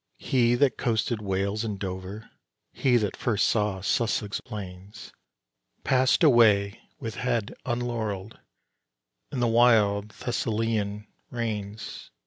He that coasted Wales and Dover, he that first saw Sussex plains, Passed away with head unlaurelled in the wild Thessalian rains.